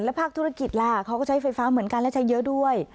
ภาคธุรกิจล่ะเขาก็ใช้ไฟฟ้าเหมือนกันและใช้เยอะด้วย